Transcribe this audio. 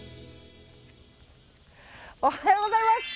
おはようございます！